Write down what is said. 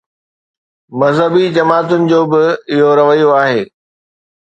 مذهبي جماعتن جو به اهو رويو آهي.